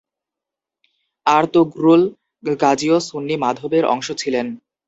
আরতুগ্রুল গাজীও সুন্নি মাধবের অংশ ছিলেন।